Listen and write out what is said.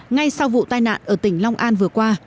ngay sau vụ tai nạn ở tỉnh long an vừa qua